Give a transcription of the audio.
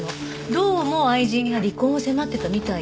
どうも愛人が離婚を迫ってたみたいで。